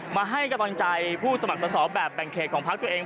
มาให้กำลังใจผู้สมัครสอบแบบแบ่งเขตของพักตัวเอง